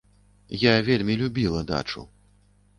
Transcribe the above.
Я вельмі любіла дачу.